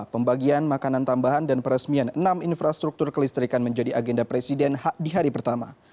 pembagian makanan tambahan dan peresmian enam infrastruktur kelistrikan menjadi agenda presiden di hari pertama